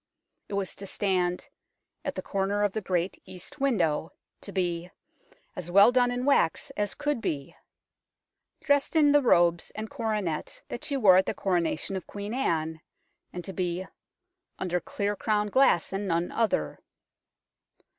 It was to stand " at the corner of the great east window," to be " as well done in wax as could be," dressed in the robes and coronet that she wore at the Coronation of Queen Anne, and to be " under clear crown glass and none other."